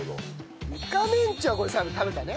イカメンチはこれ澤部食べたね。